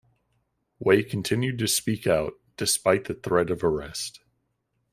Wei continued to speak out, despite the threat of arrest.